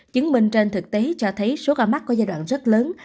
chứng minh trên thực tế cho thấy số ca mắc có giai đoạn rất lớn